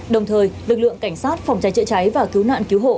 đồng thời lực lượng cảnh sát phòng trái trợ cháy và cứu nạn cứu hộ